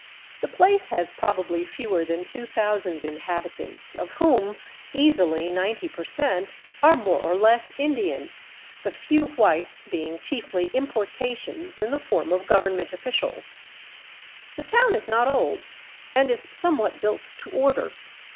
The place has probably fewer than 2000 in habitants, of whom easily ninety percent, are more or less Indian, the few whites being chiefly importations in the form of government offi cials. The town is not old, and is somewhat built to order.